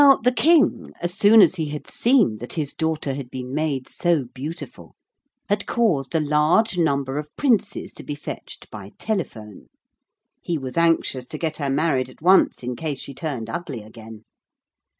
Now the King, as soon as he had seen that his daughter had been made so beautiful, had caused a large number of princes to be fetched by telephone. He was anxious to get her married at once in case she turned ugly again.